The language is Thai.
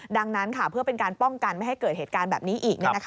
ดังนั้นเพื่อเป็นการป้องกันไม่ให้เกิดเหตุการณ์แบบนี้อีก